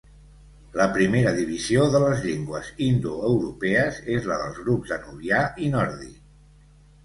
La primera divisió de les llengües indoeuropees és la dels grups danubià i nòrdic.